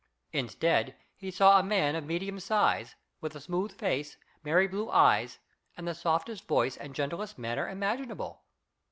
Instead he saw a man of medium size, with a smooth face, merry blue eyes, and the softest voice and gentlest manner imaginable.